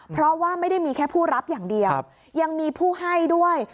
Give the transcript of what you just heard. เพราะว่าไม่ได้มีแค่ผู้รับอย่างเดียวยังมีผู้ให้ด้วย